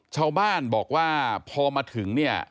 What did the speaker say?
ชาวบ้านบอกว่าพอมาถึงเนี่ย